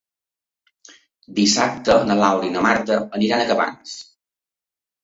Dissabte na Laura i na Marta aniran a Cabanes.